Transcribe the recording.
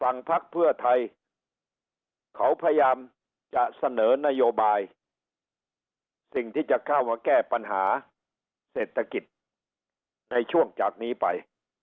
ภักดิ์เพื่อไทยเขาพยายามจะเสนอนโยบายสิ่งที่จะเข้ามาแก้ปัญหาเศรษฐกิจในช่วงจากนี้ไป